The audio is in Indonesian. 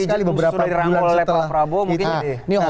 sudah dirangkul oleh pak prabowo